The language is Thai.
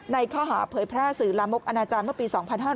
ในข้อหาเผยพระศรีลามกอาจารย์เมื่อปี๒๕๖๐